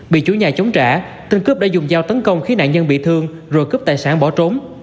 bị chủ nhà chống trả tên cướp đã dùng dao tấn công khiến nạn nhân bị thương rồi cướp tài sản bỏ trốn